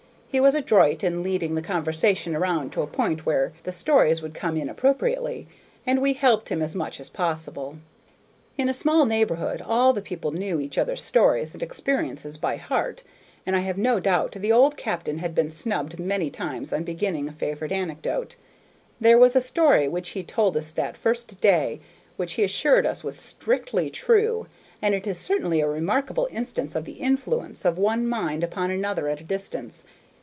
He was adroit in leading the conversation around to a point where the stories would come in appropriately, and we helped him as much as possible. In a small neighborhood all the people know each other's stories and experiences by heart, and I have no doubt the old captain had been snubbed many times on beginning a favorite anecdote. There was a story which he told us that first day, which he assured us was strictly true, and it is certainly a remarkable instance of the influence of one mind upon another at a distance.